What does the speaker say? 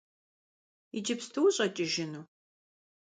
Иджыпсту ущӏэкӏыжыну?